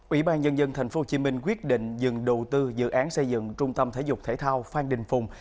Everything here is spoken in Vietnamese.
ủy ban nhân dân tp hcm quyết định dừng đầu tư dự án xây dựng trung tâm thể dục thể thao phan đình phùng